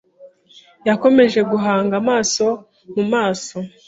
Yakomeje guhanga amaso mu maso .